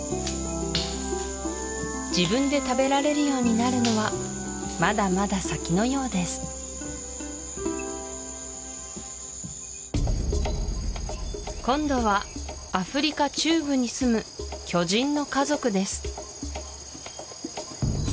自分で食べられるようになるのはまだまだ先のようです今度はアフリカ中部にすむ巨人の家族です